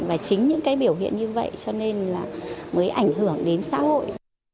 và chính những cái biểu hiện như vậy cho nên là mới ảnh hưởng đến xã hội